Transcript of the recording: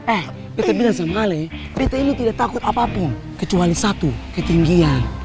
eh kita bilang sama ali prita ini tidak takut apapun kecuali satu ketinggian